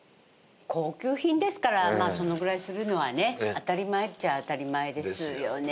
高級品ですからまあそのぐらいするのはね当たり前っちゃあ当たり前ですよね。